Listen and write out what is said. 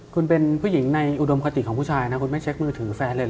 คุณเป็นผู้หญิงในอุดมคติของผู้ชายนะคุณไม่เช็คมือถือแฟนเลยเห